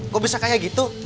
kok bisa kayak gitu